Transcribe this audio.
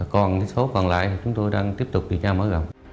còn cái số còn lại thì chúng tôi đang tiếp tục đi trao mở gọng